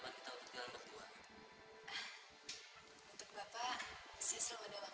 olah sekarang harus ber servisi multiplicare dan oko penjualan